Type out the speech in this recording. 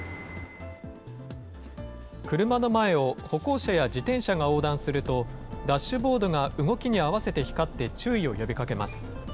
車の前を歩行者や自転車が横断すると、ダッシュボードが動きに合わせて光って注意を呼びかけます。